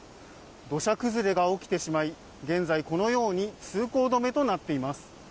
土砂崩れが起きてしまい現在、このように通行止めとなっています。